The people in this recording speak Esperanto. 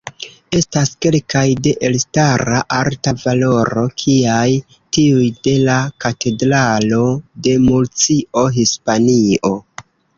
Estas kelkaj de elstara arta valoro, kiaj tiuj de la katedralo de Murcio, Hispanio.